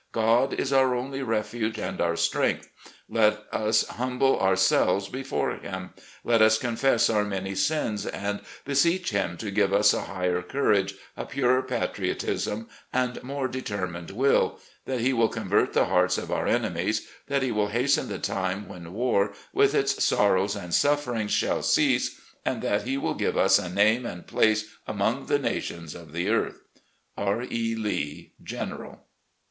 God is our only refuge and our strength. Let us humble ourselves before Him. Let us confess our many sins, and beseech Him to give us a higher courage, a purer patriot ism, and more determined will; that He will convert the hearts of our enemies ; that He will hasten the time when war, with its sorrows and sufferings, shall cease, and that He will give us a name and place among the nations of the earth. "R. E. Lee, General."